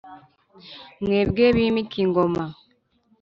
mwebwe bimika ingoma